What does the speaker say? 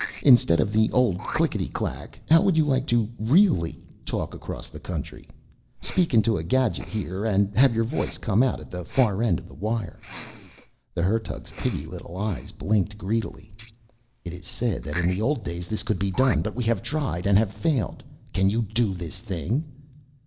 Instead of the old clikkety clack how would you like to really talk across the country? Speak into a gadget here and have your voice come out at the far end of the wire?" The Hertug's piggy little eyes blinked greedily. "It is said that in the old days this could be done, but we have tried and have failed. Can you do this thing?"